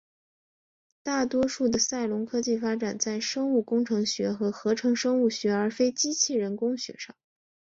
大多数的赛隆科技发展在生物工程学和合成生物学而非机器人工学上。